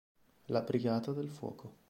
La brigata del fuoco